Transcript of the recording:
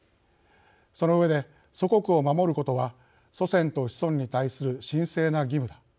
その上で「祖国を守ることは祖先と子孫に対する神聖な義務だ。